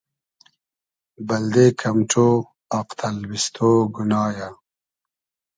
بئلدې کئم ݖۉ آق تئلبیستۉ گونا یۂ